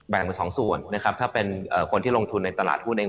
สองส่วนนะครับถ้าเป็นคนที่ลงทุนในตลาดหุ้นเอง